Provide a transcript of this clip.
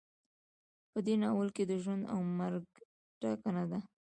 په دې ناول کې د ژوند او مرګ ټاکنه ده.